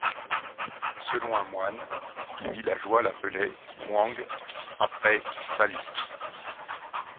Selon un moine, les villageois l'appelait Muang Apai Sali.